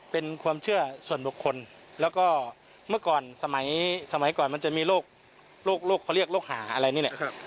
เป็นความเชื่อส่วนบุคคลแล้วก็เมื่อก่อนสมัยก่อนมันจะมีโรคเขาเรียกโรคหาอะไรนี่แหละ